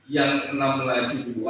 yang enam melaju dua